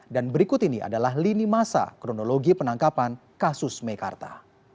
dan berikut ini adalah lini masa kronologi penangkapan kasus meikarta